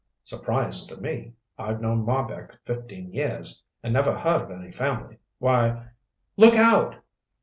"Surprise to me. I've known Marbek fifteen years and never heard of any family. Why " "Look out!"